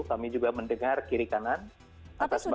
kami juga mendengar kiri kanan atas bawah